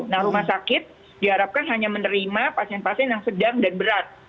nah rumah sakit diharapkan hanya menerima pasien pasien yang sedang dan berat